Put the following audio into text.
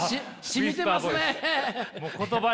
しみてますね。